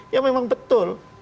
ya memang betul